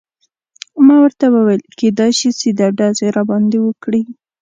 ما ورته وویل: کیدای شي سیده ډزې راباندې وکړي.